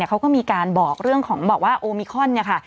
เขาก็มีการบอกเรื่องของบอกว่าโอมิคอน